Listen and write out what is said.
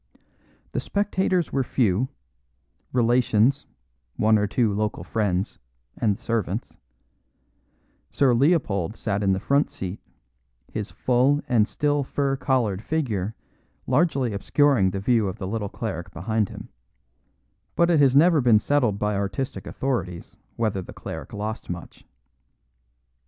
The spectators were few, relations, one or two local friends, and the servants; Sir Leopold sat in the front seat, his full and still fur collared figure largely obscuring the view of the little cleric behind him; but it has never been settled by artistic authorities whether the cleric lost much.